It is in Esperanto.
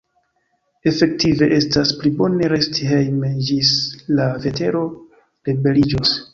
Efektive, estas pli bone resti hejme, ĝis la vetero rebeliĝos.